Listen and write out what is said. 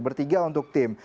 bertiga untuk tim